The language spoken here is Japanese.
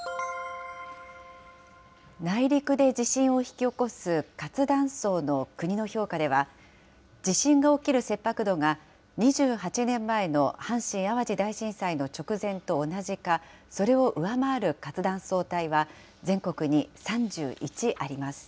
内陸で地震を引き起こす活断層の国の評価では、地震が起きる切迫度が２８年前の阪神・淡路大震災の直前と同じか、それを上回る活断層帯は全国に３１あります。